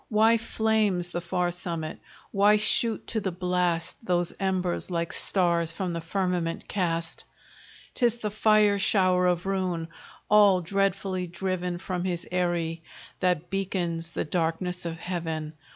Why flames the far summit? Why shoot to the blast Those embers, like stars from the firmament cast? 'Tis the fire shower of ruin, all dreadfully driven From his eyrie, that beacons the darkness of heaven.